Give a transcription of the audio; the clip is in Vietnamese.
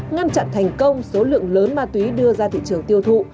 ngăn chặn thành công số lượng lớn ma túy đưa ra thị trường tiêu thụ